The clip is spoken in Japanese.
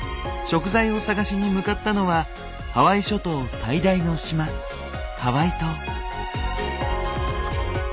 食材を探しに向かったのはハワイ諸島最大の島ハワイ島。